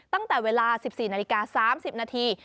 ตั้งแต่เวลา๑๔นาฬิกา๓๐นาที